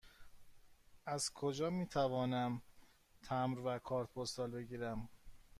از کجا می توانم تمبر و کارت پستال بگیرم؟